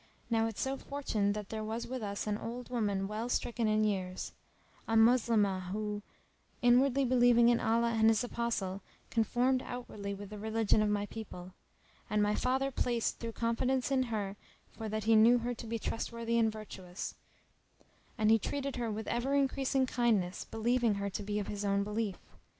Now it so fortuned that there was with us an old woman well stricken in years, a Moslemah who, inwardly believing in Allah and His Apostle, conformed outwardly with the religion of my people; and my father placed thorough confidence in her for that he knew her to be trustworthy and virtuous; and he treated her with ever increasing kindness believing her to be of his own belief.